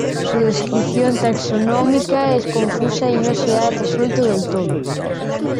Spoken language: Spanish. Su descripción taxonómica es confusa y no se ha resuelto del todo.